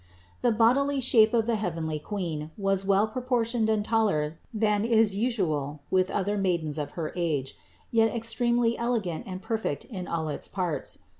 115. The bodily shape of the heavenly Queen was well proportioned and taller than is usual with other maidens of her age ; yet extremely elegant and perfect in all its parts.